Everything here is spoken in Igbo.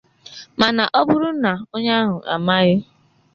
Mana ọ bụrụ na onye ahụ amaghị